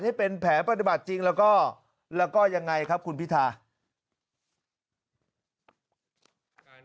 ให้เป็นแผลปฏิบัติจริงแล้วก็ยังไงครับคุณพิธา